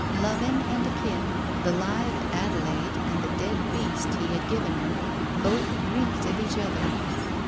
Loving and akin, the live Adelaide and the dead beast he had given her, both reeked of each other.